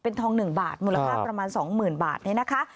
เป็นทองหนึ่งบาทมูลภาพประมาณสองหมื่นบาทเนี้ยนะคะ